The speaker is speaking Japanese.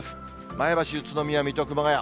前橋、宇都宮、水戸、熊谷。